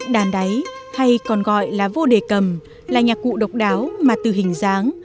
đàn đáy hay còn gọi là vô đề cầm là nhạc cụ độc đáo mà từ hình dáng